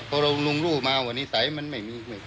พอเราลงรูปมาว่านิสัยมันไม่มี